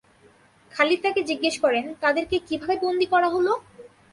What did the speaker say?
খালিদ তাকে জিজ্ঞেস করেন, তাদেরকে কিভাবে বন্দি করা হল?